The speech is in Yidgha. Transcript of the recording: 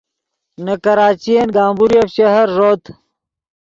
نے کراچین گمبوریف شہر ݱوت